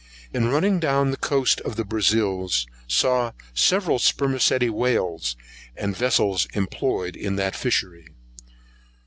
In running down the coast of the Brazils, saw several spermacæti whales, and vessels employed on that fishery.